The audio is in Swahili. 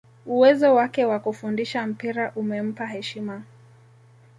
uwezo wake wa kufundisha mpira umempa heshima